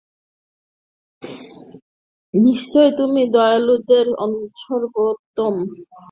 নিশ্চয় তুমি দয়ালুদের সর্বোত্তম।